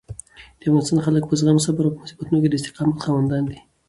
د افغانستان خلک په زغم، صبر او په مصیبتونو کې د استقامت خاوندان دي.